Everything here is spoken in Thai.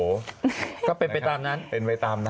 ก็เป็นไปตามนั้นเป็นไปตามนั้น